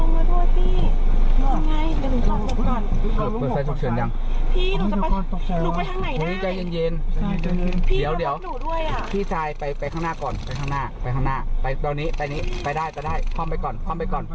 ไปข้างหน้าไปข้างหน้าไปตรงนี้ไปนี้ไปได้ไปได้คล่อมไปก่อนคล่อมไปก่อน